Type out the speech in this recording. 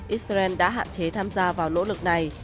israel đã hạn chế tham gia vào nỗ lực này